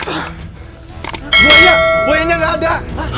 buya buya nya gak ada